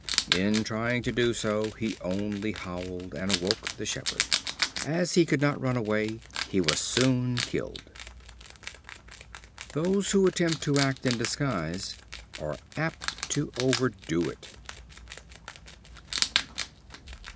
In trying to do so, he only howled, and awoke the shepherd. As he could not run away, he was soon killed. Those who attempt to act in disguise are apt to overdo it.